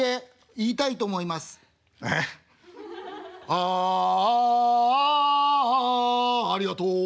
「ああああありがとう」。